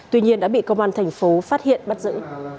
tuy nhiên đã bị công an thành phố phát hiện bắt giữ